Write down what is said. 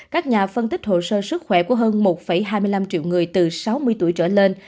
các nhà phân tích hồ sơ sức khỏe của hơn một hai mươi năm triệu người từ sáu mươi tuổi trở lên